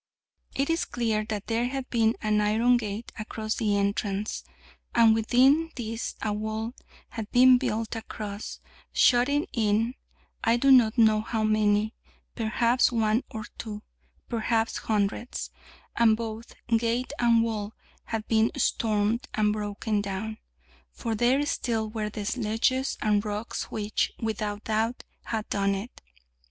It is clear that there had been an iron gate across the entrance, that within this a wall had been built across, shutting in I do not know how many, perhaps one or two, perhaps hundreds: and both gate and wall had been stormed and broken down, for there still were the sledges and rocks which, without doubt, had done it.